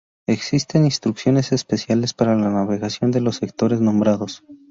Existen instrucciones especiales para la navegación de los sectores nombrados.